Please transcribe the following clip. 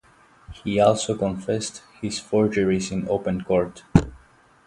He also confessed his forgeries in open court.